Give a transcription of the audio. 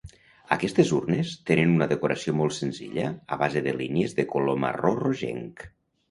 Aquestes urnes tenen una decoració molt senzilla a base de línies de color marró rogenc.